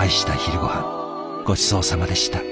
ごちそうさまでした。